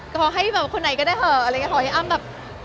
ก็ขอให้แบบคนไหนก็ได้เหอะอะไรอย่างนี้ขอให้อ้ำแบบ